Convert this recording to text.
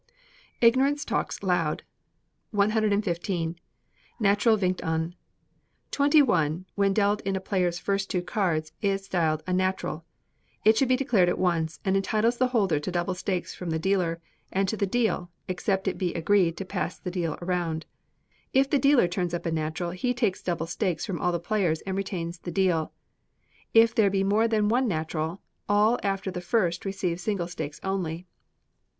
[IGNORANCE TALKS LOUD.] 115. Natural Vingt un. Twenty one, when dealt in a player's first two cards, is styled a Natural. It should be declared at once, and entitles the holder to double stakes from the dealer, and to the deal, except it be agreed to pass the deal round. If the dealer turns up a natural he takes double stakes from all the players and retains the deal. If there be more than one natural, all after the first receive single stakes only.